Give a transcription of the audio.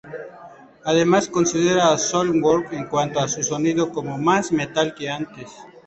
Además, considera a Soilwork en cuanto a su sonido como "más metal que antes".